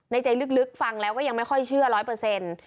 ใจลึกฟังแล้วก็ยังไม่ค่อยเชื่อร้อยเปอร์เซ็นต์